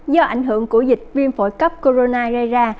do ảnh hưởng của dịch phim phởi cấp corona rơi ra